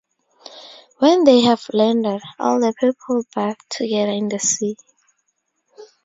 When they have landed, all the people bathe together in the sea.